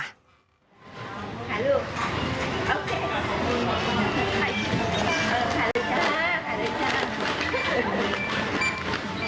ค่ะลูก